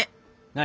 何？